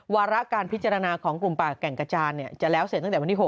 วาระการพิจารณาของกลุ่มป่าแก่งกระจานจะแล้วเสร็จตั้งแต่วันที่๖